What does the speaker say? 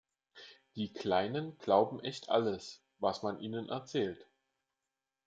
Die Kleinen glauben echt alles, was man ihnen erzählt.